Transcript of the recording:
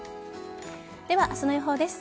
では、明日の予報です。